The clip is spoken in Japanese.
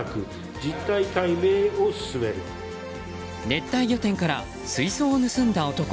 熱帯魚店から水槽を盗んだ男。